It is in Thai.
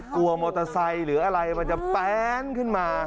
กลัวมอเตอร์ไซค์หรืออะไรมันจะแป๊นขึ้นมา